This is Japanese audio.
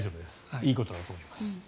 いいことだと思います。